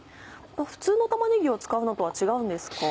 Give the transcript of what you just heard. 普通の玉ねぎを使うのとは違うんですか？